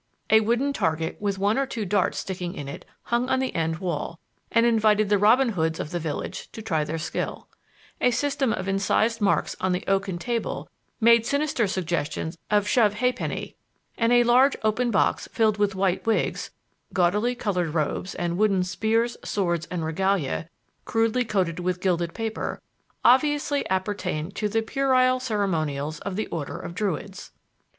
A wooden target with one or two darts sticking in it hung on the end wall and invited the Robin Hoods of the village to try their skill; a system of incised marks on the oaken table made sinister suggestions of shove halfpenny; and a large open box filled with white wigs, gaudily colored robes and wooden spears, swords and regalia, crudely coated with gilded paper, obviously appertained to the puerile ceremonials of the Order of Druids.